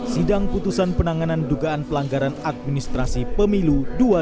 sidang putusan penanganan dugaan pelanggaran administrasi pemilu dua ribu dua puluh empat